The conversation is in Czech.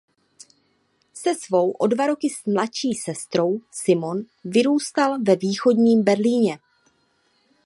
Se svou o dva roky mladší sestrou Simone vyrůstal ve Východním Berlíně.